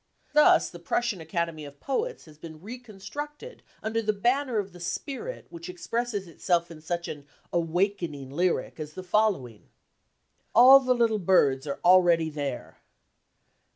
Thus the Prussian Academy of Poets has been recon structed under the banner of the spirit which expresses itself in such an " awakening lyric " as the following : All little birds are already there